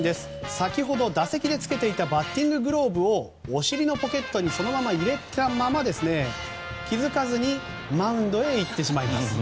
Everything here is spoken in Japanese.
先ほど打席でつけていたバッティンググローブをお尻のポケットにそのまま入れたまま、気づかずにマウンドへ行ってしまいます。